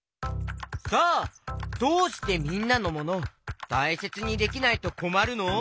さあどうしてみんなのモノたいせつにできないとこまるの？